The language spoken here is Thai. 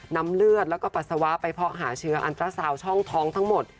นำเลือดแล้วก็ปัสสาวะไปเพาะหาเชื้ออันตราซาวช่องท้องทั้งหมด